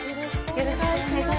よろしくお願いします。